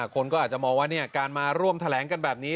คนก็อาจจะมองว่าการมาร่วมแถลงกันแบบนี้